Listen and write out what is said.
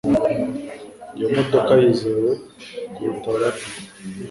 Iyi modoka yizewe kuruta Lada.